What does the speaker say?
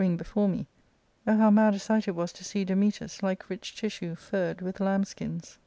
ring before me. Oh, how mad a sight it was to see Dametas, like rich tissue furred with lambs' skins